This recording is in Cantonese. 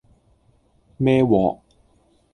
孭鑊